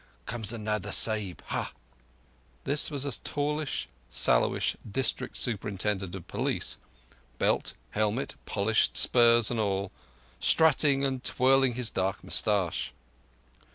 Comes another Sahib! Ah!" This was a tallish, sallowish District Superintendent of Police—belt, helmet, polished spurs and all—strutting and twirling his dark moustache.